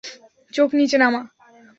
চোখ নিচে নামা!